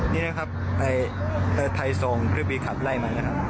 นี่นะครับไทยทรงเครื่องบินขับไล่มันนะครับ